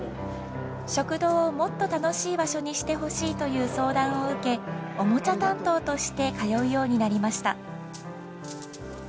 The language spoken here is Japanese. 食堂をもっと楽しい場所にしてほしいという相談を受けおもちゃ担当として通うようになりました。